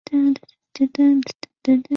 国民革命军于各方支持下坚持一个多月。